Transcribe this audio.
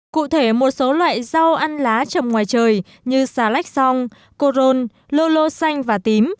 cụ thể một số loại rau ăn lá trầm ngoài trời như xà lách song cô rôn lô lô xanh và tím